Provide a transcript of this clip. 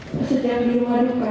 setelah di rumah lupa